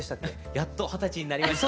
やっと二十歳になりました。